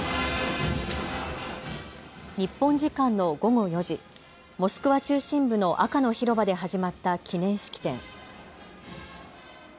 日本時間の午後４時、モスクワ中心部の赤の広場で始まった記念式典。